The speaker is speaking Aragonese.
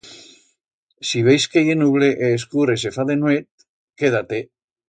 Si veis que ye nuble e escur e se fa de nuet, queda-te.